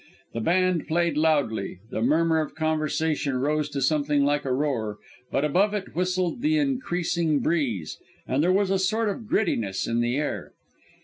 The band played loudly, the murmur of conversation rose to something like a roar, but above it whistled the increasing breeze, and there was a sort of grittiness in the air.